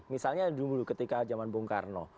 misalnya dulu ketika zaman bung karno